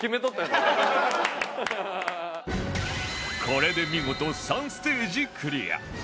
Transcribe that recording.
これで見事３ステージクリア！